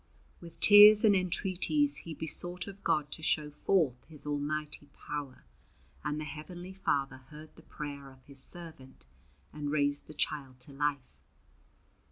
With tears and entreaties he besought of God to show forth His almighty power, and the Heavenly Father heard the prayer of His servant and raised the child to life.